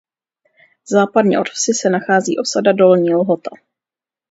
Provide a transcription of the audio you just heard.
Západně od vsi se nachází osada Dolní Lhota.